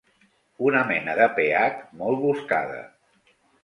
Una mena de pH molt buscada.